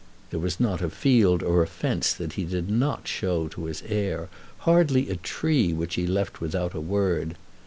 There was not a field or a fence that he did not show to his heir; hardly a tree which he left without a word.